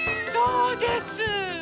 そうです。